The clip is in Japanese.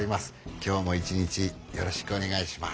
今日も一日よろしくお願いします。